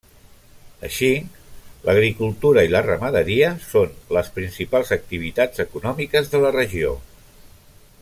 Així, l'agricultura i la ramaderia són les principals activitats econòmiques de la regió.